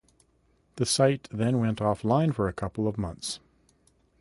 The site then went offline for a couple of months.